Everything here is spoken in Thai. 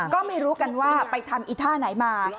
ก็ไม่รู้กันว่าไปทำอีท่าไหนมา